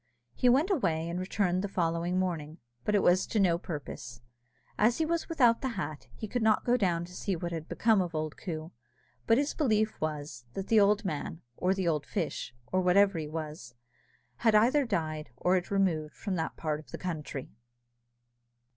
He went away, and returned the following morning, but it was to no purpose. As he was without the hat, he could not go down to see what had become of old Coo, but his belief was, that the old man, or the old fish, or whatever he was, had either died, or had removed from that part of the country.